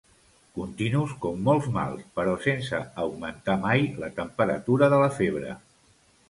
Continus com molts mals, però sense augmentar mai la temperatura de la febre.